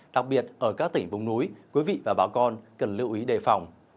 đặc biệt ở các tỉnh vùng núi quý vị và bà con cần lưu ý đề phòng